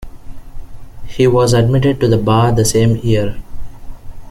He was admitted to the bar the same year.